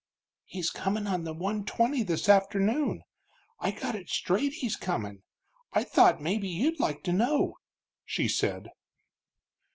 "He's comin' on the one twenty this afternoon I got it straight he's comin'. I thought maybe you'd like to know," she said.